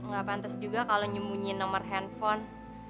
gak pantas juga kalo nyemunyi nomor handphone